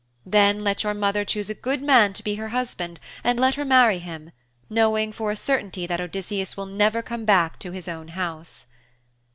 Then let your mother choose a good man to be her husband and let her marry him, knowing for a certainty that Odysseus will never come back to his own house.